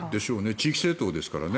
地域政党ですからね。